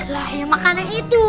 lah ya makanya itu